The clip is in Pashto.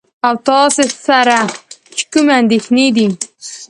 او تاسره چې کومې اندېښنې دي .